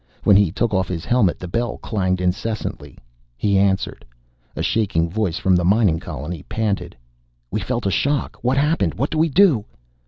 When he took off his helmet the bell clanged incessantly. He answered. A shaking voice from the mining colony panted: "We felt a shock! What happened? What do we do?"